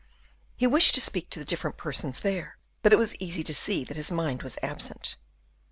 He wished to speak to the different persons there, but it was easy to see that his mind was absent.